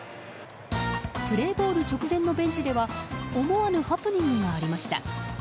プレーボール直前のベンチでは思わぬハプニングがありました。